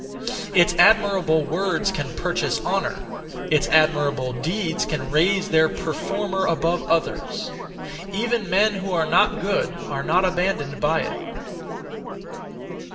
(Its) admirable words can purchase honour; (its) admirable deeds can raise their performer above others. Even men who are not good are not abandoned by it.